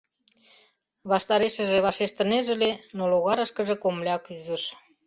Ваштарешыже вашештынеже ыле, но логарышкыже комыля кӱзыш.